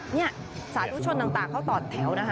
นี่สาธุชนต่างเขาต่อแถวนะคะ